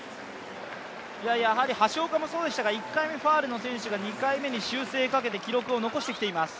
やはり橋岡もそうでしたが、１回目ファウルの選手が２回目に修正をかけて記録を残してきています。